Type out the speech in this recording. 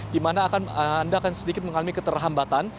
di mana anda akan sedikit mengalami keterlambatan